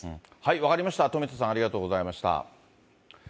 分かりました、富田さんありがとうございました。